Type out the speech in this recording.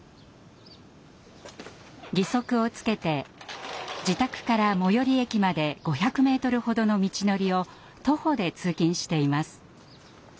義足をつけて自宅から最寄り駅まで５００メートルほどの道のりを徒歩で通勤しています。